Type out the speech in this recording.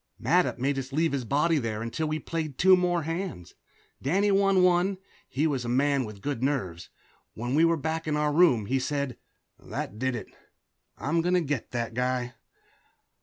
Mattup made us leave the body there until we had played two more hands. Danny won one; he was a man with good nerves. When we were back in our room he said, "That did it I'm going to get that guy."